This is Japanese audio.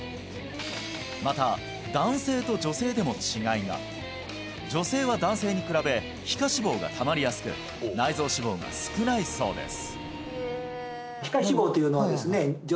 また男性と女性でも違いが女性は男性に比べ皮下脂肪がたまりやすく内臓脂肪が少ないそうです